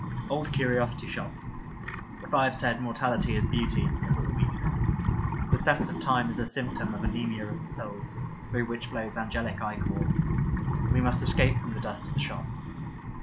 Old Curiosity Shops ! If I have said " Mortality is beauty," it was a weakness. The sense of time is a symptom of anaemia of the soul, through which flows angelic ichor. We must escape from the dust of the shop.